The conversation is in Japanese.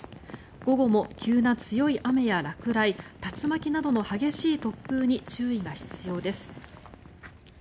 午後も急な強い雨や落雷竜巻などの激しい突風に注意が必要です。